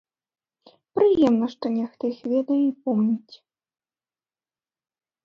Прыемна, што нехта іх ведае і помніць.